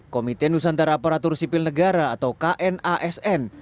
komite nusantara aparatur sipil negara atau knasn